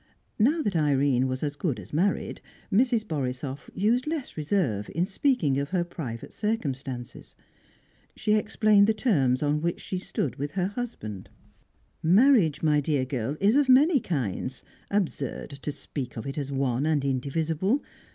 Now that Irene was as good as married, Mrs. Borisoff used less reserve in speaking of her private circumstances; she explained the terms on which she stood with her husband. "Marriage, my dear girl, is of many kinds; absurd to speak of it as one and indivisible.